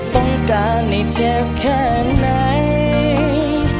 ต้องการให้เจ็บแค่ไหน